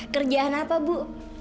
kerjaan apa bu